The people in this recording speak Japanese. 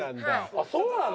あっそうなの？